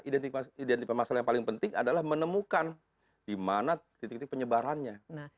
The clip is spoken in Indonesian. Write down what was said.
identifikasi masalah yang paling penting adalah menemukan dimana titik titik penyebarannya